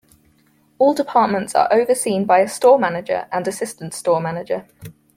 All departments are overseen by a Store Manager and Assistant Store Manager.